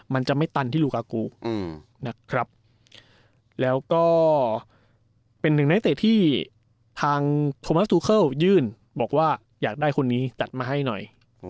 มันจะไม่ตันที่อืมนะครับแล้วก็เป็นหนึ่งนักเตะที่ทางยื่นบอกว่าอยากได้คนนี้จัดมาให้หน่อย